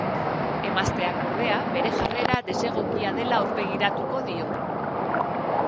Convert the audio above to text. Emazteak ordea, bere jarrera desegokia dela aurpegiratuko dio.